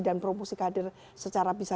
dan promosi kader secara bisa